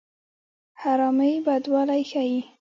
چې مالګه وخورې لوښی مه ماتوه متل د نمک حرامۍ بدوالی ښيي